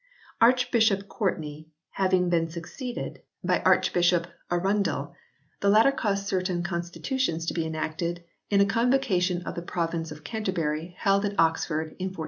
Arch bishop Courtney having been succeeded by Archbishop 28 HISTORY OF THE ENGLISH BIBLE [OH. Arundel, the latter caused certain Constitutions to be enacted in a Convocation of the province of Canterbury held at Oxford in 1408.